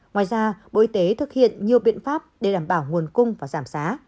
ngoài ra bộ y tế thực hiện nhiều biện pháp để đảm bảo nguồn cung và giảm giá